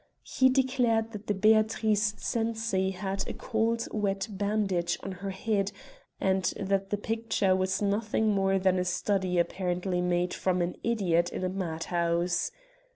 He declared that the Beatrice Cenci had a cold wet bandage on her head, and that the picture was nothing more than a study apparently made from an idiot in a mad house.